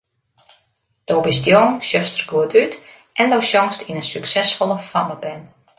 Do bist jong, sjochst der goed út en do sjongst yn in suksesfolle fammeband.